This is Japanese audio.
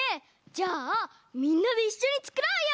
じゃあみんなでいっしょにつくろうよ！